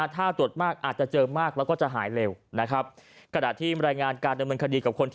ถ้าตรวจมากอาจจะเจอมากแล้วก็จะหายเร็วนะครับ